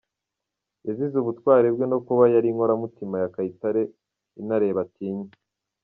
Yazize ubutwari bwe no kuba yari inkoramutima ya Kayitare Intare batinya.